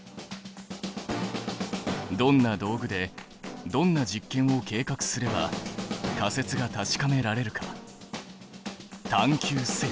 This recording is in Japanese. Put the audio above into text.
どんな道具でどんな実験を計画すれば仮説が確かめられるか探究せよ！